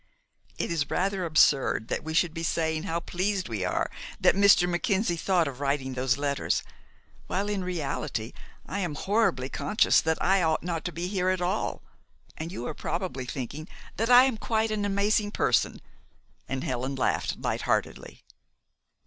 "It is rather absurd that we should be saying how pleased we are that Mr. Mackenzie thought of writing those letters, while in reality I am horribly conscious that I ought not to be here at all, and you are probably thinking that I am quite an amazing person," and Helen laughed light heartedly.